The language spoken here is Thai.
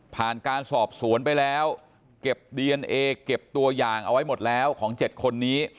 การสอบสวนไปแล้วเก็บดีเอนเอเก็บตัวอย่างเอาไว้หมดแล้วของ๗คนนี้